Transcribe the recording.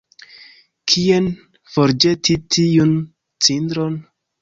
Kien forĵeti tiun cindron?